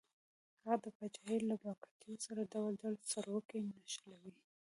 هغه د پاچاهۍ له بګتیو سره ډول ډول سروکي نښلوي.